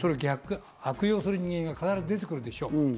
悪用する人間も必ず出てくるでしょう。